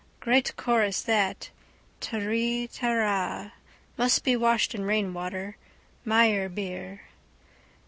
Great chorus that. Taree tara. Must be washed in rainwater. Meyerbeer.